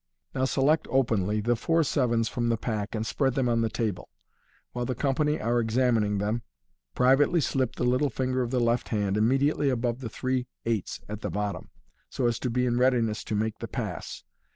Now select openly the four sevens from the pack, and spread them on the table. While the company are examining them, privately slip the little finger of the left hand immediately above the three eights at the bottom, so as to be in readiness to make the pass.